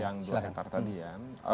yang dua hektare tadi ya